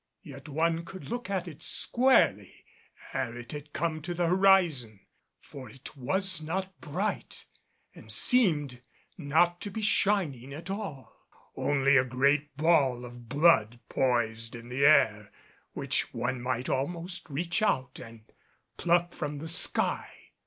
Yet one could look at it squarely ere it had come to the horizon, for it was not bright and seemed not to be shining at all; only a great ball of blood poised in the air, which one might almost reach out and pluck from the sky.